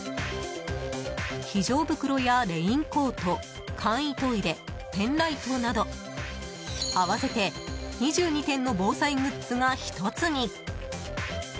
非常袋やレインコート簡易トイレ、ペンライトなど合わせて２２点の防災グッズが１つに。